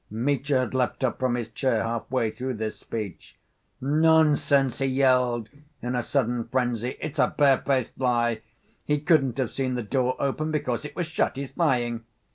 Mitya had leapt up from his chair half‐way through this speech. "Nonsense!" he yelled, in a sudden frenzy, "it's a barefaced lie. He couldn't have seen the door open because it was shut. He's lying!"